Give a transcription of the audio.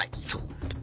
そう！